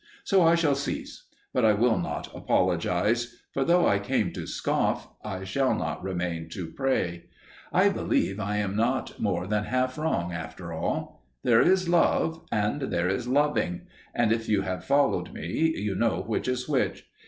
So I shall cease, but I will not apologize, for though I came to scoff, I shall not remain to prey. I believe I am not more than half wrong after all. There is love, and there is loving, and if you have followed me, you know which is which.